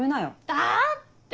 だって。